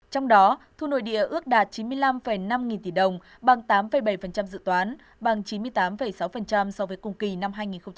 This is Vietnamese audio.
trong đó thu nội địa ước đạt chín mươi năm năm nghìn tỷ đồng bằng tám bảy dự toán bằng chín mươi tám sáu so với cùng kỳ năm hai nghìn một mươi tám